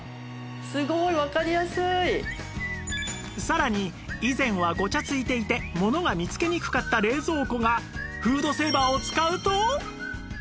さらに以前はごちゃついていてものが見つけにくかった冷蔵庫がフードセーバーを使うと